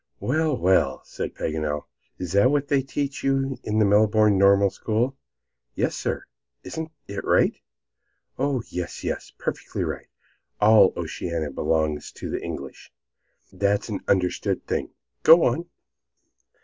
"Well, well," said Paganel; "is that what they teach you in the Melbourne Normal School?" "Yes, sir. Isn't it right?" "Oh, yes, yes, perfectly right. All Oceanica belongs to the English. That's an understood thing. Go on."